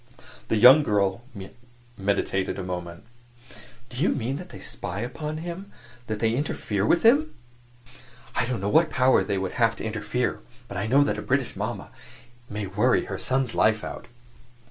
The young girl meditated a moment. "Do you mean that they spy upon him that they interfere with him?" "I don't know what power they have to interfere, but I know that a British mama may worry her son's life out."